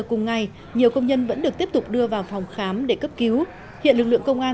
cùng ngày nhiều công nhân vẫn được tiếp tục đưa vào phòng khám để cấp cứu hiện lực lượng công an